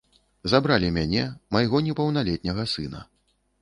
Забралі мяне, майго непаўналетняга сына.